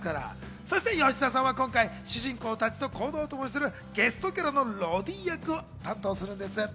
そして吉沢さんは今回、主人公たちと行動をともにするゲストキャラのロディ役を担当するんです。